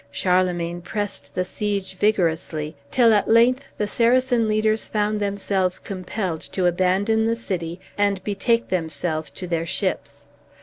Charlemagne pressed the siege vigorously, till at length the Saracen leaders found themselves compelled to abandon the city and betake themselves to their ships.